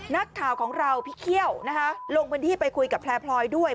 นักข่าวของเราพี่เข้าลงบนที่ไปคุยกับแพร่พลอยด้วย